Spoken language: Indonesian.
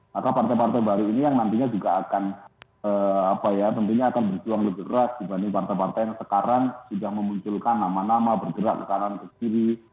maka partai partai baru ini yang nantinya juga akan tentunya akan berjuang lebih keras dibanding partai partai yang sekarang sudah memunculkan nama nama bergerak ke kanan ke kiri